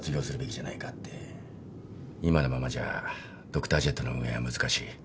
今のままじゃドクタージェットの運営は難しい。